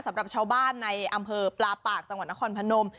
สำหรับชาวบ้านในอำเภอปลาปากจังหวัดนครพนม